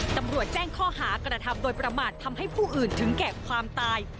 ตำรวจแจ้งข้อหากระทำโดยประมาททำให้ผู้อื่นถึงแก่ความตาย